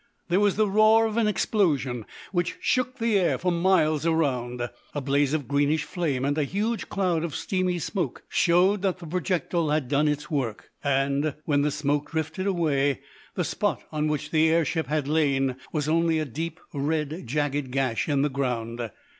There was the roar of an explosion which shook the air for miles around. A blaze of greenish flame and a huge cloud of steamy smoke showed that the projectile had done its work, and, when the smoke drifted away, the spot on which the air ship had lain was only a deep, red, jagged gash in the ground.